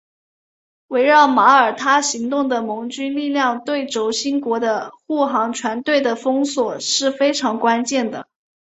围绕马耳他行动的盟军力量对轴心国的护航船队的封锁是非常关键的。